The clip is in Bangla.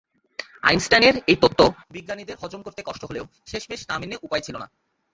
আইনস্টাইনের এই তত্ত্ব বিজ্ঞানীদের হজম করতে কষ্ট হলেও শেষমেশ না মেনে উপায় ছিল না।